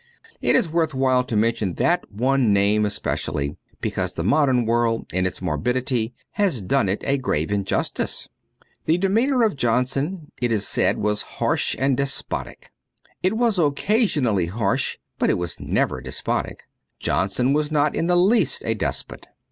It is worth while to mention that one name especially, because the modern world in its morbidity has done it a grave injustice. The demeanour of Johnson, it is said, was * harsh and despotic' It was occasionally harsh, but it was never despotic. Johnson was not in the least a despot.